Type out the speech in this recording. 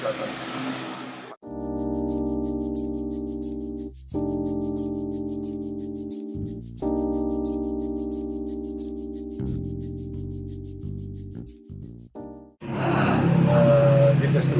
kemas kursi yang berakhir